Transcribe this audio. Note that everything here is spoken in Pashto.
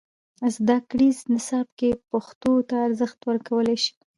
زدهکړیز نصاب کې دې پښتو ته ارزښت ورکړل سي.